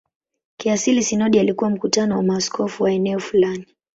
Kiasili sinodi ilikuwa mkutano wa maaskofu wa eneo fulani.